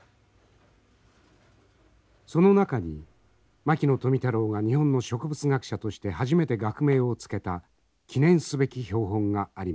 その中に牧野富太郎が日本の植物学者として初めて学名を付けた記念すべき標本があります。